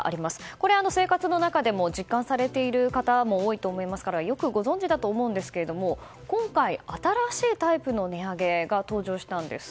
これは生活の中でも実感されている方も多いと思いますからよくご存じだと思いますけれども今回、新しいタイプの値上げが登場したんです。